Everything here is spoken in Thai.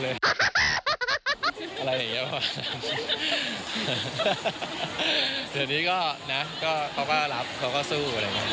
เดี๋ยวนี้ก็นะเขาก็รับเขาก็สู้